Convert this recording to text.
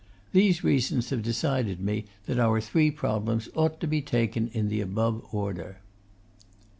These reasons have decided me that our three problems ought to be taken in the above order.